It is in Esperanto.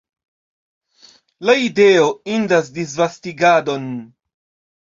La ideo indas disvastigadon!